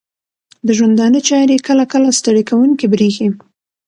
د ژوندانه چارې کله کله ستړې کوونکې بریښې